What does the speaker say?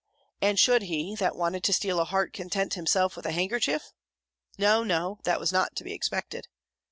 And should he, that wanted to steal a heart content himself with a handkerchief? No no, that was not to be expected.